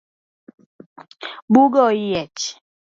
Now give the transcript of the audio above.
Buga oyiech.